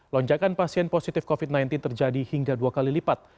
lonjakan pasien positif covid sembilan belas terjadi hingga dua kali lipat